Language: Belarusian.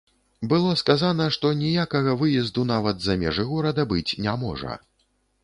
Было сказана, што ніякага выезду нават за межы горада быць не можа.